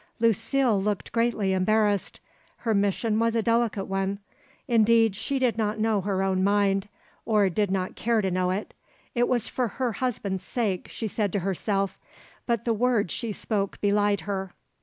Lucile looked greatly embarrassed. Her mission was a delicate one. Indeed she did not know her own mind, or did not care to know it. It was for her husband's sake, she said to herself; but the words she spoke belied her.